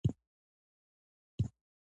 راغلی وو، داسي ګرځيدلی وو: